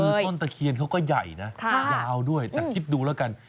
คือต้นตะเคียนเขาก็ใหญ่นะยาวด้วยแต่คิดดูแล้วกัน